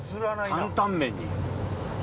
「担々麺」に。